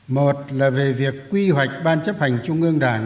một là về việc quy hoạch ban chấp hành trung ương đảng